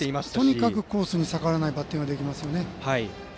とにかくコースに逆らわないバッティングができますね。